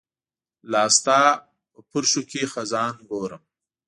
لاستا په پرښوکې خزان ګورم